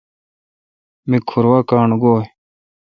می کھور وا کاݨ گوی۔